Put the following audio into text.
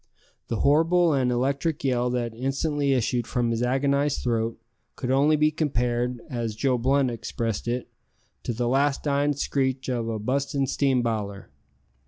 The horrible and electric yell that instantly issued from his agonized throat could only be compared, as Joe Blunt expressed it, "to the last dyin' screech o' a bustin' steam biler!"